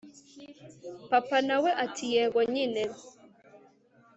papa nawe ati yego nyine